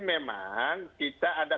memang kita ada